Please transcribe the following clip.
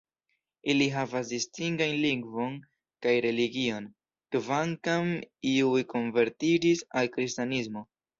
Ili havas distingajn lingvon kaj religion, kvankam iuj konvertiĝis al Kristanismo.